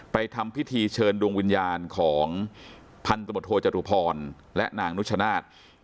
ทำพิธีเชิญดวงวิญญาณของพันธบทโทจรุพรและนางนุชนาธิ์